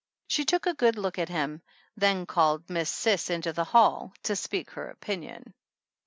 She took a good look at him, then called Miss Cis into the hall to speak her opinion.